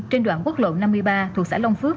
trên đoạn quốc lộ năm mươi ba thuộc xã long phước